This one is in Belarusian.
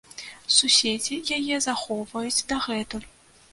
Суседзі яе захоўваюць дагэтуль.